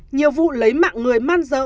nhiều vụ lấy mạng người man dợ